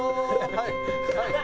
はいはい。